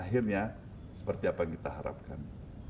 akhirnya seperti apa yang kita harapkan